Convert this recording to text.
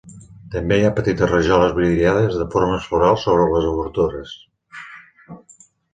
També hi ha petites rajoles vidriades de formes florals sobre les obertures.